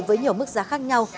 với nhiều mức giá khác nhau